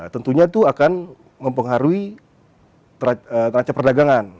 tentunya itu akan mempengaruhi raca perdagangan